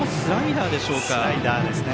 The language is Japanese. スライダーですね。